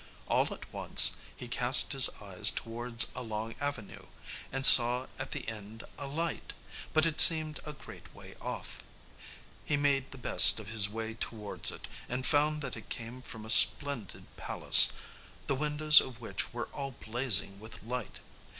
All at once he cast his eyes towards a long avenue, and saw at the end a light, but it seemed a great way off. He made the best of his way towards it, and found that it came from a splendid palace, the windows of which were all blazing with light.